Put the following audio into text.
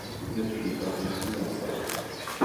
Depuis, qu’avons-nous vu, en somme ?